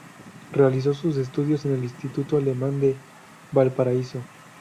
Realizó sus estudios en el Instituto Alemán de Valparaíso.